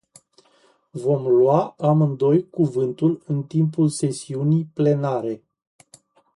Vom lua amândoi cuvântul în timpul sesiunii plenare.